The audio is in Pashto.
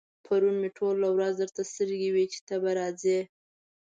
پرون مې ټوله ورځ درته سترګې وې چې ته به راځې.